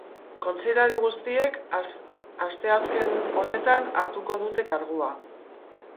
Kontseilari guztiek asteazken honetan hartuko dute kargua.